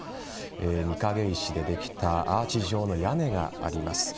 御影石でできたアーチ状の屋根があります。